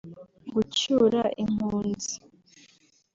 Gucyura impunzi